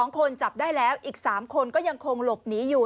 ๒คนจับได้แล้วอีก๓คนก็ยังคงหลบหนีอยู่